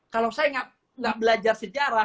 kalau saya nggak belajar sejarah